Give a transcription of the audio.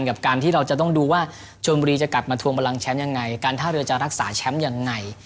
กับการที่เราจะต้องดูว่าชนบุรีจะกลับมาทวงบรังแชมป์ยังไงการท่าเรือจะรักษาแชมป์ยังไง